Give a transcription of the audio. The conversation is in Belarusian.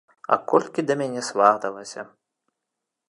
А колькі да мяне сваталася!